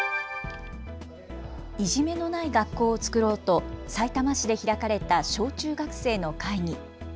いじめのない学校をつくろうとさいたま市で開かれた小中学生の会議。